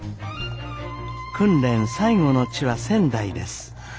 訓練最後の地は仙台です。